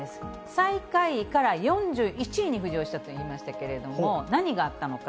最下位から４１位に浮上したと言いましたけれども、何があったのか。